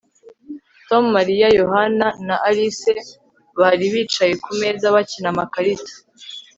tom, mariya, yohani na alice bari bicaye ku meza, bakina amakarita